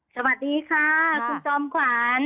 สวัสดีค่ะคุณจอมขวัญ